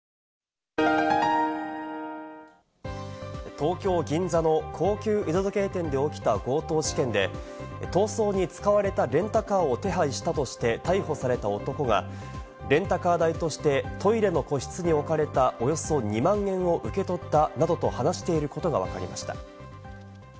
東京・銀座の高級時計店で起きた強盗事件で逃走に使われたレンタカーを手配したとして逮捕された男がレンタカー代としてトイレの個室に置かれたおよそ２万円を受け取ったなどと話していることがわかりました。